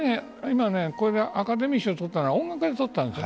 アカデミー賞を取ったのは音楽で取ったんです。